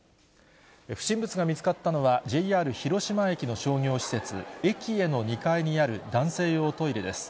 不審物が見つかったのは、ＪＲ広島駅の商業施設、エキエの２階にある男性用トイレです。